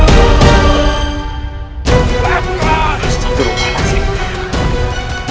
jangan lupa mas